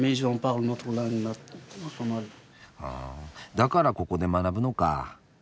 だからここで学ぶのか。